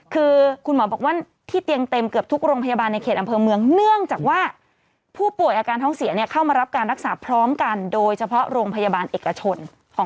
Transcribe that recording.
คุณหมอบอกว่าที่เตียงเต็มเกือบทุกโรงพยาบาล